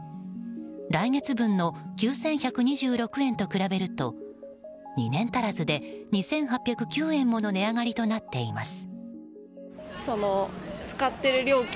来月分の９１２６円と比べると２年足らずで２０８９円もの値上がりとなっています。